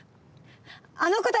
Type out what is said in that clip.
あの子たち